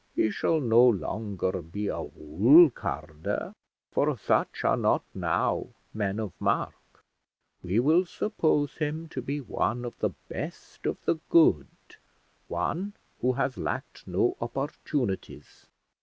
He shall no longer be a wool carder, for such are not now men of mark. We will suppose him to be one of the best of the good, one who has lacked no opportunities.